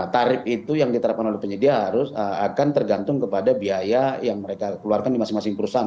tarif itu yang diterapkan oleh penyedia harus akan tergantung kepada biaya yang mereka keluarkan di masing masing perusahaan